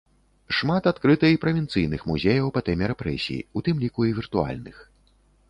Шмат адкрыта і правінцыйных музеяў па тэме рэпрэсій, у тым ліку і віртуальных.